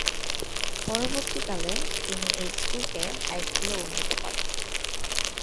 পরবর্তীকালে তিনি এই স্কুলকে হাই স্কুলে উন্নীত করেন।